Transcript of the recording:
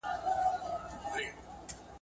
تاسو ولې غواړئ چې د ټولنپوهنې په اړه زده کړه وکړئ؟